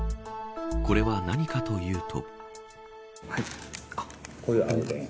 これは何かというと。